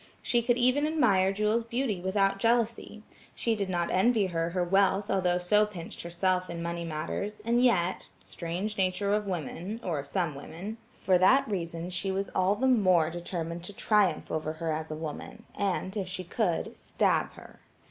She could even admire Jewel's beauty without jealousy; she did not envy her her wealth although so pinched herself in money matters, and yet–strange nature of women, or of some women–for that reason she was the more determined to triumph over her as a woman, and, if she could, stab her.